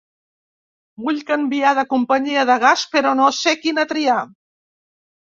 Vull canviar de companyia de gas però no sé quina triar.